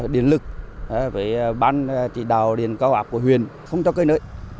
điện lực với ban chỉ đào điện cao ạc của huyền không cho cây nơi